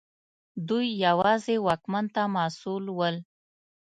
دوی یوازې واکمن ته مسوول ول.